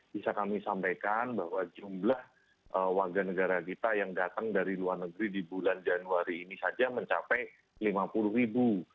bisa kami sampaikan bahwa jumlah warga negara kita yang datang dari luar negeri di bulan januari ini saja mencapai lima puluh ribu